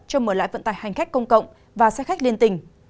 cho mở lại vận tải hành khách công cộng và xe khách liên tỉnh